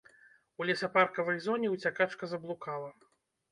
У лесапаркавай зоне ўцякачка заблукала.